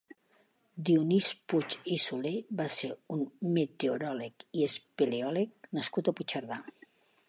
Dionís Puig i Soler va ser un meteoròleg i espeleòleg nascut a Puigcerdà.